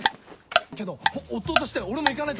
けど夫として俺も行かないと。